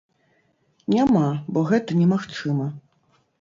Няма, бо гэта немагчыма.